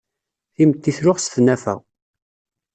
Timetti tluɣ s tnafa.